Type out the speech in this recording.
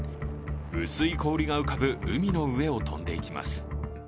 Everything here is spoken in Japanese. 薄い氷が浮かぶ海の上を飛んでいきます。